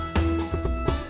atau rasalah saya less